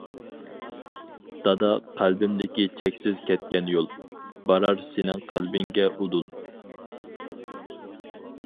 دادا قەلبىمدىكى چەكسىز كەتكەن يول، بارار سېنىڭ قەلبىڭگە ئۇدۇل.